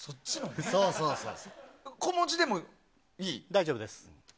大丈夫です。